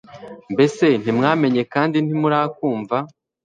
Mbese ntimwamenye kandi ntimurakumva?